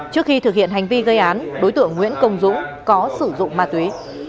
trước khi thực hiện hành vi gây án đối tượng nguyễn công dũng có sử dụng ma túy